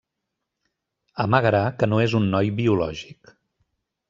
Amagarà que no és un noi biològic.